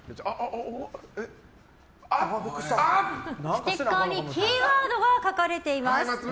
ステッカーにキーワードが書かれています。